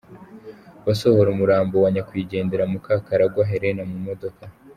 Basohora umurambo wa nyakwigendera Mukakarangwa Helene mu modoka.